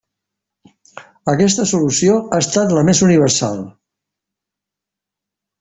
Aquesta solució ha estat la més universal.